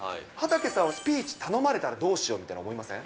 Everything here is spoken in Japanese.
畠さんはスピーチ頼まれたらどうしようとか思いません？